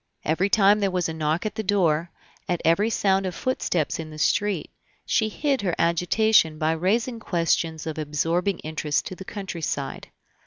Every time there was a knock at the door, at every sound of footsteps in the street, she hid her agitation by raising questions of absorbing interest to the countryside.